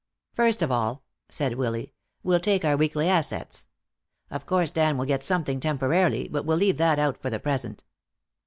"First of all," said Willy, "we'll take our weekly assets. Of course Dan will get something temporarily, but we'll leave that out for the present."